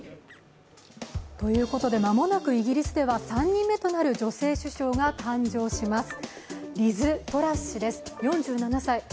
間もなくイギリスでは３人目となる女性首相が誕生します